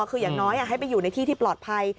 คืออย่างน้อยให้ไปอยู่ในที่ที่ปลอดภัย